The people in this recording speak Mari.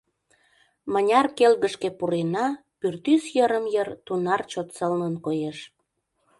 Мыняр келгышке пурена, пӱртӱс йырым-йыр тунар чот сылнын коеш.